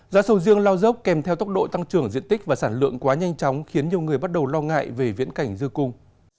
giá sầu riêng lao dốc kèm theo tốc độ tăng trưởng diện tích và sản lượng quá nhanh chóng khiến nhiều người bắt đầu lo ngại về viễn cảnh dư cung